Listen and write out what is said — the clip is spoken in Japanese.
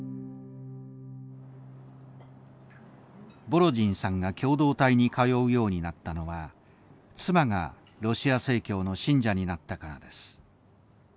ボロジンさんが共同体に通うようになったのは妻がロシア正教の信者になったからです。